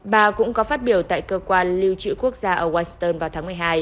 bà cũng có phát biểu tại cơ quan liêu trữ quốc gia ở western vào tháng một mươi hai